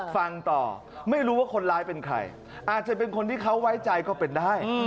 ฟังต่อไม่รู้ว่าคนร้ายเป็นใครอาจจะเป็นคนที่เขาไว้ใจก็เป็นได้